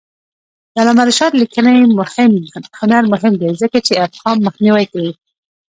د علامه رشاد لیکنی هنر مهم دی ځکه چې ابهام مخنیوی کوي.